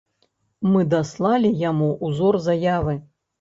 Мы даслалі яму ўзор заявы.